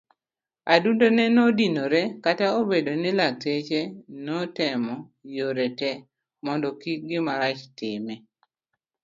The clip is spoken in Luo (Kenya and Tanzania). Adundone nodinore kata obedo ni lakteche netemo yore te mondo kik gimarach time.